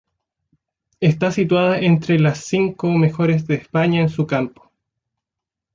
Está situada entre las cinco mejores de España en su campo.